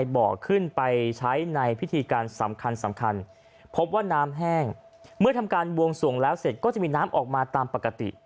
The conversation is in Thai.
เพราะว่าน้ำแห้งเมื่อทำการวงส่วงแล้วเสร็จก็จะมีน้ำออกมาตามปกติ